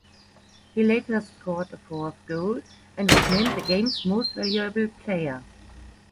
He later scored a fourth goal and was named the game's Most Valuable Player.